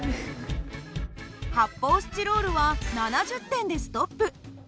発泡スチロールは７０点でストップ。